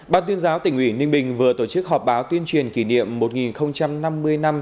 bác tuyên giáo tỉnh nguyễn ninh bình vừa tổ chức họp báo tuyên truyền kỷ niệm một nghìn năm mươi năm